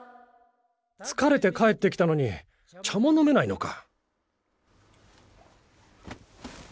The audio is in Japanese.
つかれて帰ってきたのに茶ものめないのか。